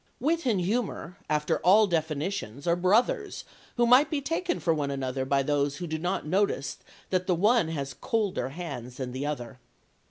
Wit and humour, after all definitions, are brothers who might be taken for one another by those who do not notice that the one has colder hands than the other.